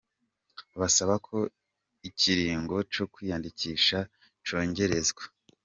Basaba ko ikiringo co kwiyandikisha cokwongerezwa.